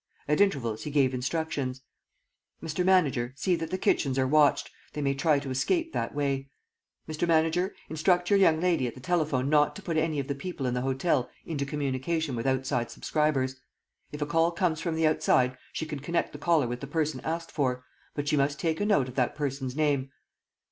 At intervals he gave instructions: "Mr. Manager, see that the kitchens are watched. They may try to escape that way. ... Mr. Manager, instruct your young lady at the telephone not to put any of the people in the hotel into communication with outside subscribers. If a call comes from the outside, she can connect the caller with the person asked for, but she must take a note of that person's name.